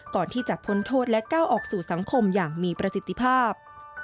ก่อนที่จะพ้นโทษและก้าวออกสู่สังคมอย่างมีประสิทธิภาพ